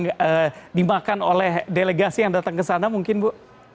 yang dimakan oleh delegasi yang datang ke sana mungkin bu